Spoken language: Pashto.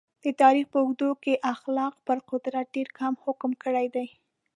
د تاریخ په اوږدو کې اخلاق پر قدرت ډېر کم حکم کړی دی.